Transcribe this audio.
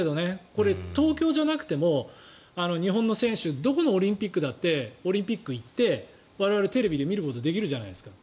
これ、東京じゃなくても日本の選手どこのオリンピックだってオリンピック行って我々、テレビで見ることできるじゃないですか。